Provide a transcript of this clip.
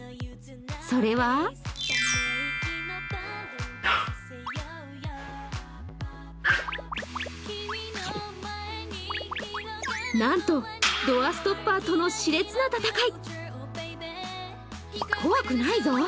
それはなんと、ドアストッパーとのしれつな戦い。